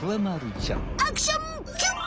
アクションキュー！